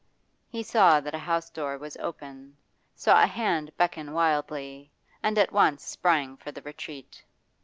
He saw that a house door was open, saw a hand beckon wildly, and at once sprang for the retreat.